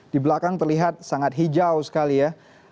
di belakang terlihat sangat hijau sekali ya